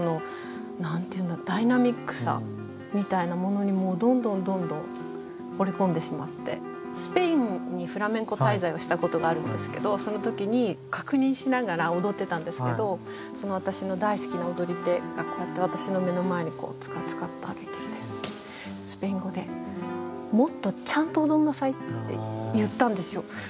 何か私ってこう何て言うんだろうでももうそういうのとは全く違うスペインにフラメンコ滞在をしたことがあるんですけどその時に確認しながら踊ってたんですけどその私の大好きな踊り手がこうやって私の目の前にツカツカッと歩いてきてスペイン語で「もっとちゃんと踊りなさい」って言ったんですよ。